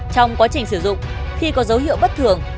trong quá trình sử dụng khi có dấu hiệu bất thường